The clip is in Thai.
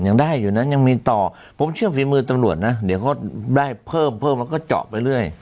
ยังได้อยู่นะยังมีต่อผมเชื่อฝีมือตำรวจนะเดี๋ยวเขาได้เพิ่มเพิ่มแล้วก็เจาะไปเรื่อย